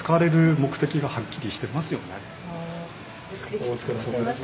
お疲れさまです。